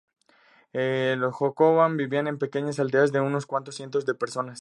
Los hohokam vivían en pequeñas aldeas de unos cuantos cientos de personas.